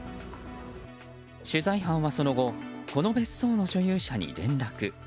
取材班はその後この別荘の所有者に連絡。